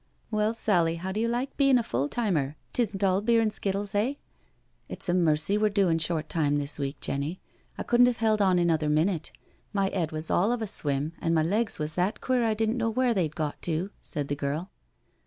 *' Well, Sally, how do you like bein' a full timer? Tisn*t all beer and skittles, eh?" It*s a mercy we're doin' short time this week, Jenny. I couldn't have held on another minute. My 'ead was all of a swim, and my legs was that queer I didn't know where they'd got to," said the girl.